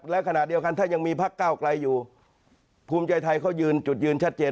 และขณะเดียวกันถ้ายังมีพักเก้าไกลอยู่ภูมิใจไทยเขายืนจุดยืนชัดเจน